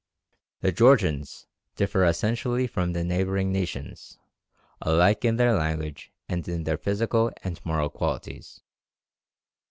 The Georgians differ essentially from the neighbouring nations, alike in their language and in their physical and moral qualities.